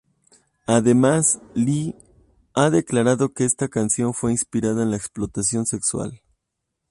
Además Lee, ha declarado que esta canción fue inspirada en la explotación sexual.